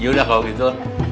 ya udah kalau gitu